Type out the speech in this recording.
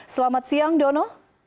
selamat siang dono